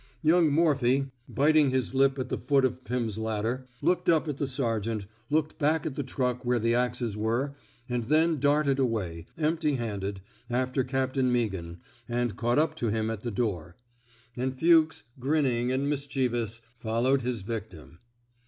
Young Morphy, biting his lip at the foot of Pirn's ladder, looked up at the sergeant, looked back at the truck where the axes were, and then darted away, empty handed, after Captain Meaghan, and caught up to him at the door. And Euchs, grinning and mis chievous, followed his victim.